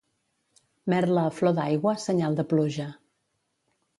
Merla a flor d'aigua, senyal de pluja.